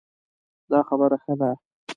دا خبره ښه ده